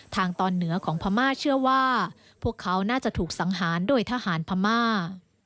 ทางตอนเหนือของพม่าเชื่อว่าพวกเขาน่าจะถูกสังหารโดยทหารพม่า